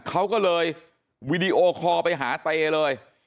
เขาก็เลยวีดีโอคอลไปหาเตเลย